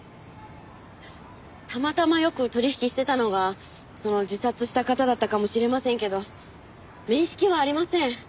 たまたまよく取引してたのがその自殺した方だったかもしれませんけど面識はありません。